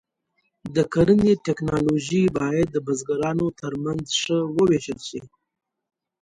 د کرنې ټکنالوژي باید د بزګرانو تر منځ ښه وویشل شي.